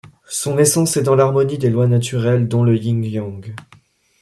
Son essence est dans l'harmonie des lois naturelles dont le yin-yang.